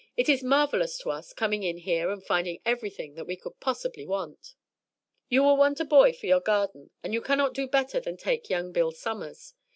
It is marvelous to us coming in here and finding everything that we can possibly want." "You will want a boy for your garden; and you cannot do better than take young Bill Summers.